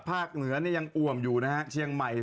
ภาคเหนือนี้ยังอ่วมอยู่นะเชียงใหม่